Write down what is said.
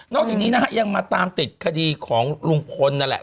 จากนี้นะฮะยังมาตามติดคดีของลุงพลนั่นแหละ